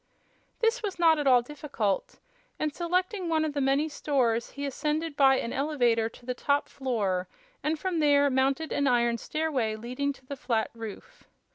This was not at all difficult, and selecting one of many stores he ascended by an elevator to the top floor and from there mounted an iron stairway leading to the flat roof.